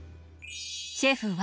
シェフは。